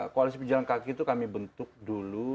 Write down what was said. koalisi pejalan kaki itu kami bentuk dulu